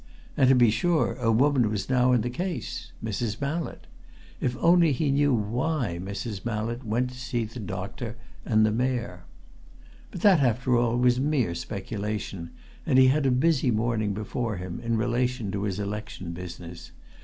And, to be sure, a woman was now in the case Mrs. Mallett. If only he knew why Mrs. Mallett went to see the doctor and the Mayor.... But that, after all, was mere speculation, and he had a busy morning before him, in relation to his election business.